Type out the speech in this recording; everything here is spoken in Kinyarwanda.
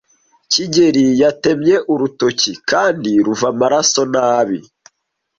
kigeli yatemye urutoki kandi ruva amaraso nabi.